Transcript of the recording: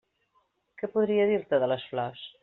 Què podria dir-te de les flors?